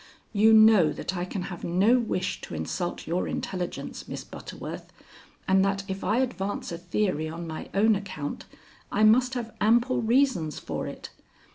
"You know that I can have no wish to insult your intelligence, Miss Butterworth, and that if I advance a theory on my own account I must have ample reasons for it.